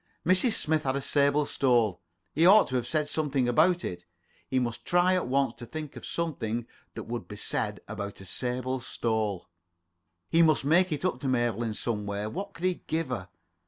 Mrs. Smith had a sable stole. He ought to have said something about it. He must try at once to think of something that would be said about a sable stole. He must make it up to Mabel in some way. What could he give her?